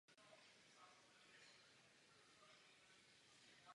Smutné je, že tento Parlament jim k tomu vesměs tleská.